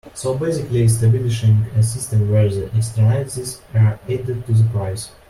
So basically establishing a system where the externalities are added to the price.